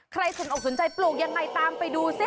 ใครถึงออกสนใจปลูกยังไงตามไปดู